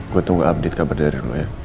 gue tunggu update kabar dari lo ya